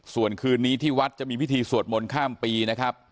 ส่วนคืนนี้ที่วัดจะมีพิธีสวดมนต์ข้ามปีนะครับ